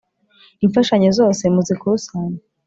Imfashanyo zose muzikusanye.